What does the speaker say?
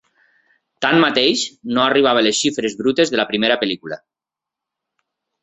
Tanmateix, no arribava a les xifres brutes de la primera pel·lícula.